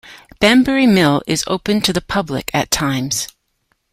Bunbury Mill is open to the public at times.